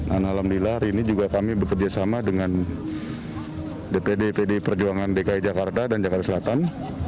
alhamdulillah hari ini juga kami bekerjasama dengan dpd pd perjuangan dki jakarta dan jakarta selatan